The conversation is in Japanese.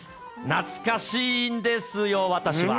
懐かしいんですよ、私は。